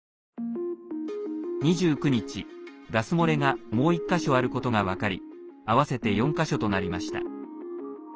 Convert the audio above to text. ２９日、ガス漏れがもう１か所あることが分かり合わせて４か所となりました。